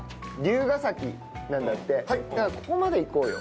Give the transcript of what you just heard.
だからここまで行こうよ。